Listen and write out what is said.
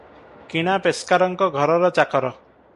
କିଣା ପେସ୍କାରଙ୍କ ଘରର ଚାକର ।